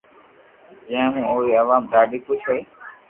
جي مون اوري عوام ڌاڌي خوݾ ھتي